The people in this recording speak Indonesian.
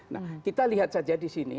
nah kita lihat saja di sini